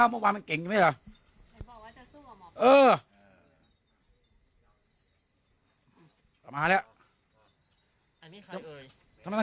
ทำไมมันเข้าง่ายจริงเลยอ่ะ